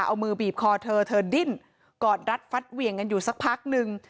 เอามือบีบคอเธอเธอดิ้นกอดรัดฟัดเหวี่ยงกันอยู่สักพักนึง